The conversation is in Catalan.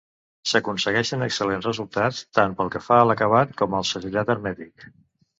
S'aconsegueixen excel·lents resultats tant pel que fa a l'acabat com al segellat hermètic.